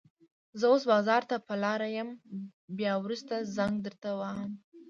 زه اوس بازار ته په لاره يم، بيا وروسته زنګ درته وهم.